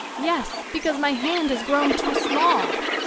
Yes, because my hand has grown too small....